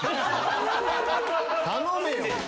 頼めよ。